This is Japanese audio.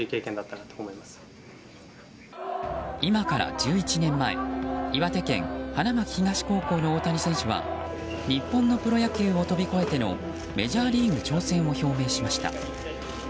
今から１１年前岩手県、花巻東高校の大谷選手は日本のプロ野球を飛び越えてのメジャーリーグ挑戦を表明しました。